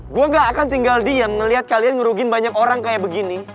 gue gak akan tinggal dia ngeliat kalian ngerugin banyak orang kayak begini